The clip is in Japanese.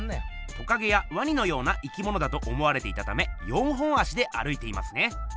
トカゲやワニのような生きものだと思われていたため４本足で歩いていますね。